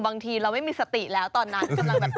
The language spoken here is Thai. บางทีเราไม่มีสติแล้วตอนนั้น